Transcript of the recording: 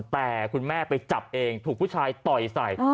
แต่คุณแม่ไปจับเองถูกผู้ชายต่อยใส่